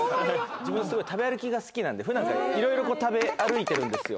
自分すごい食べ歩きが好きなので普段から色々食べ歩いてるんですよ。